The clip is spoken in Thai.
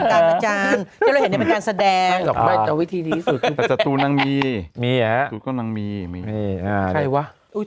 ก็เห็นเป็นการแสดงวิธีดีสุดมีมีอ่ะก็นั่งมีมีใครวะ